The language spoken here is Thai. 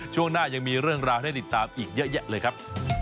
ช่วงหน้ายังมีเรื่องราวให้ติดตามอีกเยอะแยะเลยครับ